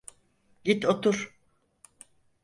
Git otur.